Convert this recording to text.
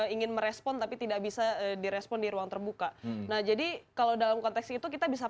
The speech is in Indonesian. ingin merespon tapi tidak bisa direspon di ruang terbuka nah jadi kalau dalam konteks itu kita bisa